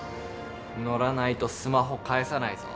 乗らないとスマホ返さないぞ。